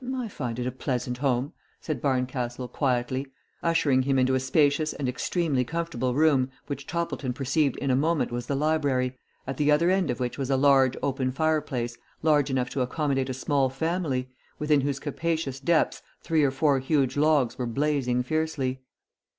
"I find it a pleasant home," said Barncastle, quietly, ushering him into a spacious and extremely comfortable room which Toppleton perceived in a moment was the library, at the other end of which was a large open fireplace, large enough to accommodate a small family, within whose capacious depths three or four huge logs were blazing fiercely.